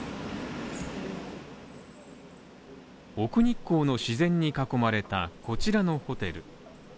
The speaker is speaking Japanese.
奥日光の自然に囲まれたこちらのホテル。